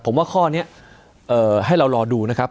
ผมว่าข้อนี้ให้เรารอดูนะครับ